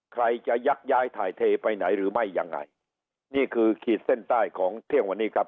ใครจะยักย้ายถ่ายเทไปไหนหรือไม่ยังไงนี่คือขีดเส้นใต้ของเที่ยงวันนี้ครับ